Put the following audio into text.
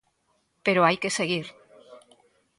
Pero hai que seguir.